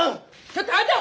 ちょっとあなた。